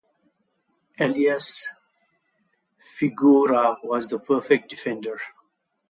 Elias Figueroa was the perfect defender.